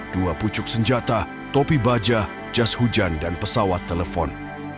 dua pucuk senjata topi baja jas hujan dan pesawat telepon